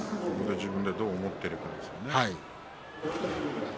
自分でどう思っているかですね。